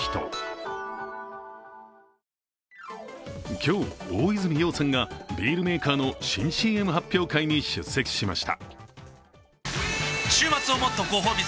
今日、大泉洋さんがビールメーカーの新ＣＭ発表会に出席しました。